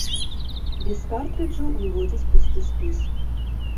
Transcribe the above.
Без картрыджу выводзіць пусты спіс.